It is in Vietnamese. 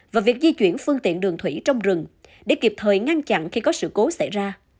và việc di chuyển phương tiện đường thủy trong rừng để kịp thời ngăn chặn khi có sự cố xảy ra